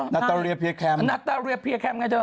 นาตอเรียเพียแคมนาตาเรียเพียแคมไงเธอ